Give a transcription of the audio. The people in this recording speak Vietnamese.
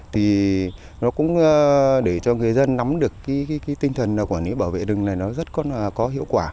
thì nó cũng để cho người dân nắm được cái tinh thần quản lý bảo vệ rừng này nó rất là có hiệu quả